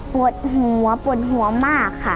ปวดหัวปวดหัวมากค่ะ